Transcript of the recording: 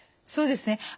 そうですね。